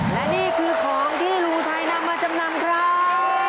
และนี่คือของที่ลุงไทยนำมาจำนำครับ